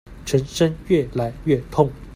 全身越來越痛